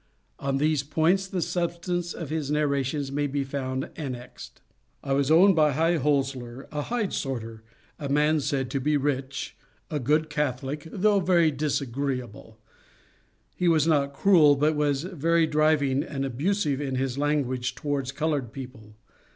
On these points the substance of his narrations may be found annexed: "I was owned by High Holser, a hide sorter, a man said to be rich, a good Catholic, though very disagreeable; he was not cruel, but was very driving and abusive in his language towards colored people.